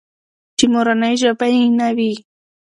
چې مورنۍ ژبه يې نه وي.